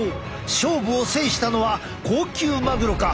勝負を制したのは高級マグロか？